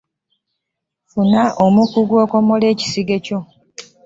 Funa omukugu akomole ekisige kyo.